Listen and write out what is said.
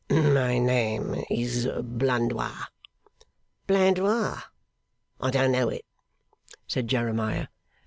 'My name is Blandois.' 'Blandois. I don't know it,' said Jeremiah.